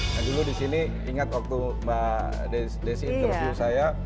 nah dulu di sini ingat waktu mbak desi interview saya